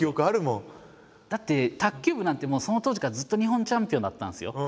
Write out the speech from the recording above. だって卓球部なんてその当時からずっと日本チャンピオンだったんですよ。